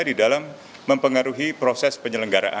di dalam mempengaruhi proses penyelenggaraan